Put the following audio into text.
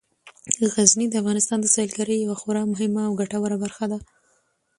غزني د افغانستان د سیلګرۍ یوه خورا مهمه او ګټوره برخه ده.